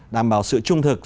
đảm bảo sự trung thực